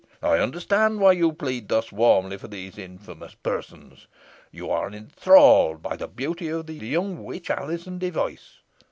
I understand why you plead thus warmly for these infamous persons. You are enthralled by the beauty of the young witch, Alizon Device.